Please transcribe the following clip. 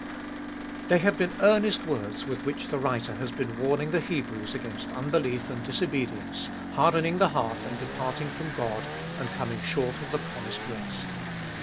THEY have been earnest words with which the writer has been warning the Hebrews against unbelief and disobedience, harden ing the heart and departing from God, and coming short of the promised rest.